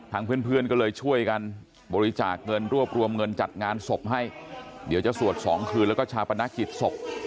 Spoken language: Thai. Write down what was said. เพื่อนเพื่อนก็เลยช่วยกันบริจาคเงินรวบรวมเงินจัดงานศพให้เดี๋ยวจะสวดสองคืนแล้วก็ชาปนกิจศพ